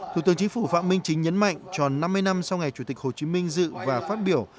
thủ tướng chính phủ phạm minh chính nhấn mạnh tròn năm mươi năm sau ngày chủ tịch hồ chí minh dự và phát biểu